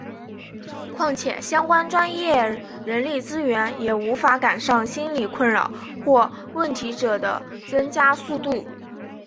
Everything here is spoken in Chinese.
况且相关专业人力资源也无法赶上心理困扰或问题者的增加速度。